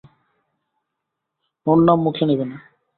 ওর নাম মুখে নেবে না।